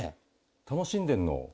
楽しんでんの？